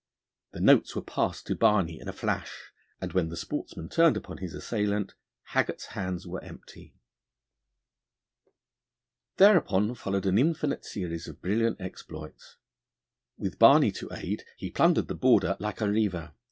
The notes were passed to Barney in a flash, and when the sportsman turned upon his assailant, Haggart's hands were empty. Thereupon followed an infinite series of brilliant exploits. With Barney to aid, he plundered the Border like a reiver.